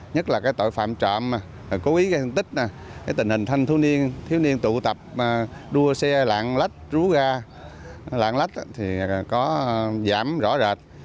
nhất là tội phạm trộm cố ý ghen tích tình hình thanh thú niên thiếu niên tụ tập đua xe lạng lách rú ga lạng lách có giảm rõ rệt